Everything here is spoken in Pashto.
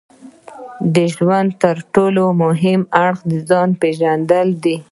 د ژوند ترټولو مهم اړخ د ځان پېژندل دي.